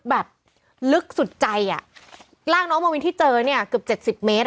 แบบลึกสุดใจอ่ะร่างน้องมาวินที่เจอเนี่ยเกือบเจ็ดสิบเมตร